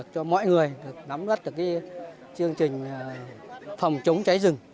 cho mọi người nắm gắt được chương trình phòng chống cháy rừng